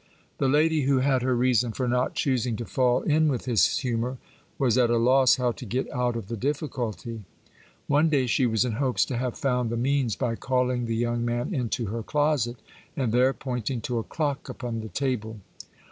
The lady, who had her rerson for not choosing to fall in with his humour, was at a loss how to get out of the difficulty. One day she was in hopes to have found the means by calling the young man into her closet and there pointing to a clock upon the table.